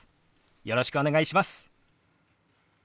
よろしくお願いします。